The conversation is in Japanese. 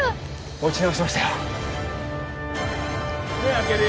持ち直しましたよ